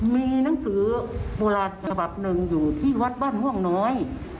มีหนังสือโบราณฉบับหนึ่งอยู่ที่วัดบ้านห่วงน้อย